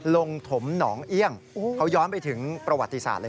ถมหนองเอี่ยงเขาย้อนไปถึงประวัติศาสตร์เลย